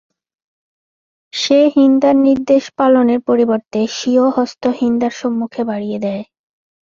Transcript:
সে হিন্দার নির্দেশ পালনের পরিবর্তে স্বীয় হস্ত হিন্দার সম্মুখে বাড়িয়ে দেয়।